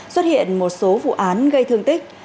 xuất hiện một số vụ án gây thương tích